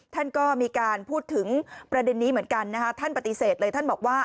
ท่านก็มีการพูดถึงประเด็นนี้เหมือนกันนะคะท่านปฏิเสธเลยท่านบอกว่า